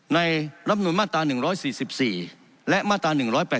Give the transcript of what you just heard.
รับนูลมาตรา๑๔๔และมาตรา๑๘๘